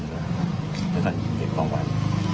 หรือตอนเก็บประวัติ